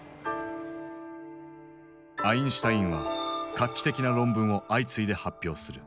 アインシュタインは画期的な論文を相次いで発表する。